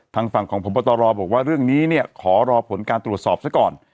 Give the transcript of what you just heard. ทางฝั่งของพบตรบอกว่าเรื่องนี้เนี่ยขอรอผลการตรวจสอบซะก่อน